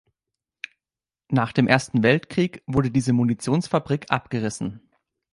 Nach dem Ersten Weltkrieg wurde diese Munitionsfabrik abgerissen.